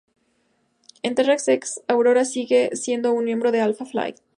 En Tierra X, Aurora sigue siendo un miembro de Alfa Flight.